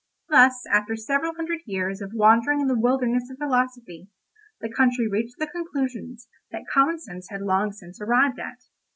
Thus, after several hundred years of wandering in the wilderness of philosophy, the country reached the conclusions that common sense had long since arrived at.